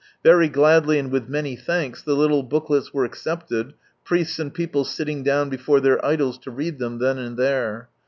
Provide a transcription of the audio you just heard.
Verj' gladly, and with many thanks, the little booklets were accepted, priests and people sitting down before their idols to read them then and there.